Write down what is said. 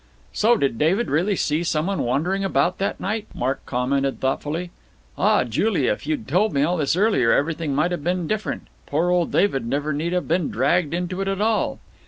"So David really did see some one wandering about that night," Mark commented thoughtfully. "Ah, Julia, if you'd told me all this earlier everything might have been different. Poor old David need never have been dragged into it at all."